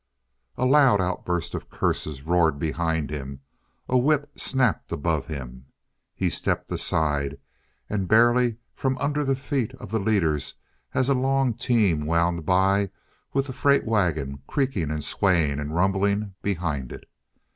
A loud outburst of curses roared behind him, a whip snapped above him, he stepped aside and barely from under the feet of the leaders as a long team wound by with the freight wagon creaking and swaying and rumbling behind it.